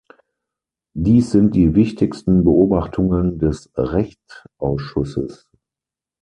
Dies sind die wichtigsten Beobachtungen des Rechtausschusses.